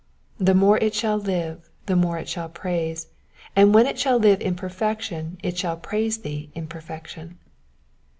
The more it shall live, the more it shall praise, and when it shall live in perfection it shall praise thee in perfection.